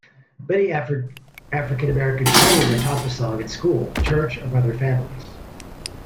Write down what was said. Many African-American children are taught the song at school, church or by their families.